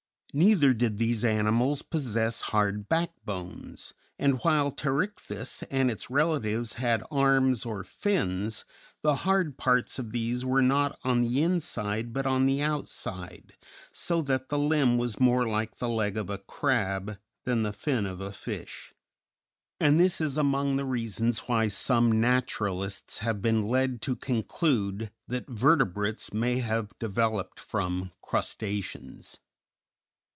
Neither did these animals possess hard backbones, and, while Pterichthys and its relatives had arms or fins, the hard parts of these were not on the inside but on the outside, so that the limb was more like the leg of a crab than the fin of a fish; and this is among the reasons why some naturalists have been led to conclude that vertebrates may have developed from crustaceans.